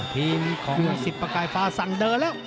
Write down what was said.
ทีมของสิบประกายฟ้าสั่งเดินแล้ว